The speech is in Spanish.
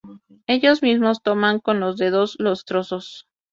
Ellos mismos toman con los dedos los trozos.